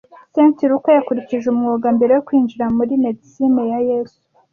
St Luka yakurikije umwuga mbere yo kwinjira muri Medicine ya Yesu